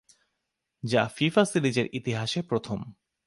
যা ফিফা সিরিজের ইতিহাসে প্রথম।